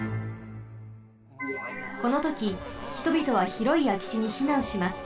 このとき人びとはひろいあきちにひなんします。